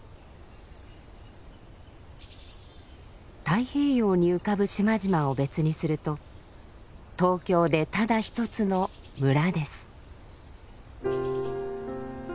太平洋に浮かぶ島々を別にすると東京でただ一つの村です。